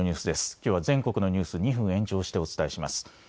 きょうは全国のニュース２分延長してお伝えします。